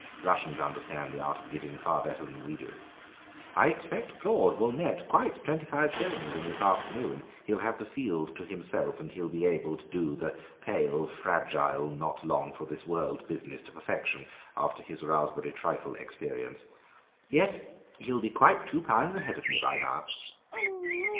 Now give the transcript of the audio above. Russians understand the art of giving far better than we do. I expect Claude will net quite twenty five shillings this afternoon; he'll have the field to himself, and he'll be able to do the pale, fragile, not long for this world business to perfection after his raspberry trifle experience. Yes, he'll be quite two pounds ahead of me by now."